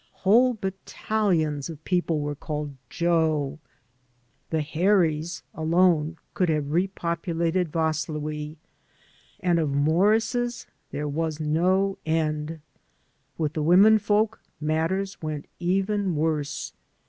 Whole battalions of people were called Joe; the Harrys alone could have repopulated Vaslui; and of Morrises there was no end. With the women folks matters went even worse.